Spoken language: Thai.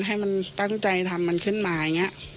ให้มันตั้งใจทำมันขึ้นมาอย่างนี้